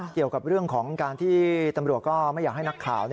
เกี่ยวกับเรื่องของการที่ตำรวจก็ไม่อยากให้นักข่าว